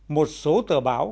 một số tờ báo